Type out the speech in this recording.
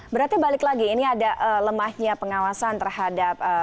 berarti balik lagi ini ada lemahnya pengawasan terhadap